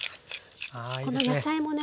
この野菜もね